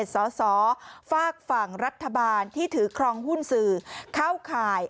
สอสอฝากฝั่งรัฐบาลที่ถือครองหุ้นสื่อเข้าข่าย